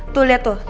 tuh liat tuh